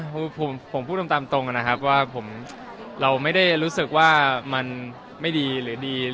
คือผมพูดตรงตามตรงนะครับว่าเราไม่ได้รู้สึกว่ามันไม่ดีหรือดี